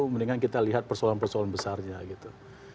mendingan kita lihat persoalan persoalan besarnya gitu